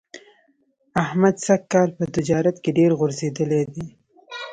احمد سږ کال په تجارت کې ډېر غورځېدلی دی.